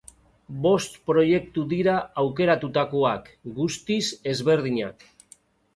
Bost proiektu dira aukeratutakoak, guztiz ezberdinak.